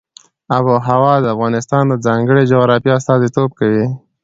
آب وهوا د افغانستان د ځانګړي جغرافیه استازیتوب کوي.